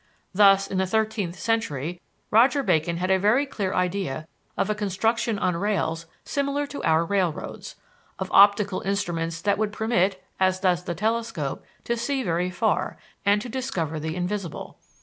Thus, in the thirteenth century, Roger Bacon had a very clear idea of a construction on rails similar to our railroads; of optical instruments that would permit, as does the telescope, to see very far, and to discover the invisible.